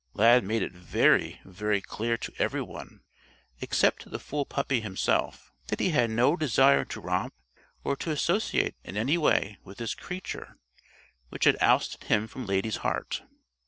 Lad made it very, very clear to everyone except to the fool puppy himself that he had no desire to romp or to associate in any way with this creature which had ousted him from Lady's heart!